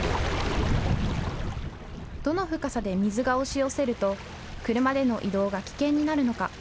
どの深さで水が押し寄せると車での移動が危険になるのか。